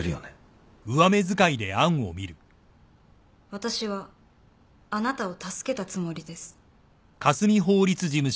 私はあなたを助けたつもりです。